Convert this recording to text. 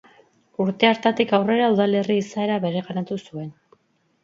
Urte hartatik aurrera udalerri izaera bereganatu zuen.